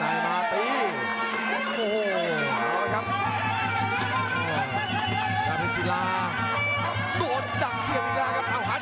หาจังหวานยิงได้มาทราย